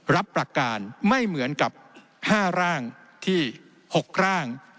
รับประการไม่เหมือนกับ๕ร่างที่๖ร่าง